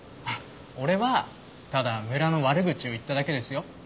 俺はただ村の悪口を言っただけですよ。